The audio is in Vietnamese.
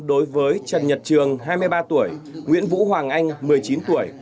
đối với trần nhật trường hai mươi ba tuổi nguyễn vũ hoàng anh một mươi chín tuổi